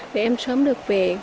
để em sớm được về